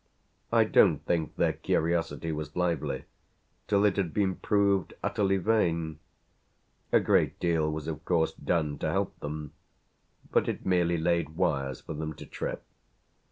I don't think their curiosity was lively till it had been proved utterly vain. A great deal was of course done to help them, but it merely laid wires for them to trip.